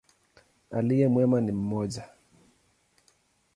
Aliye mwema ni mmoja.